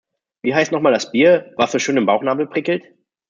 Wie heißt noch mal das Bier, was so schön im Bauchnabel prickelt?